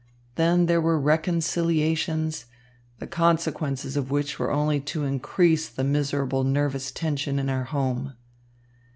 Then there were reconciliations, the consequences of which were only to increase the miserable nervous tension in our home.